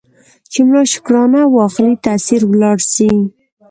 چي ملا شکرانه واخلي تأثیر ولاړ سي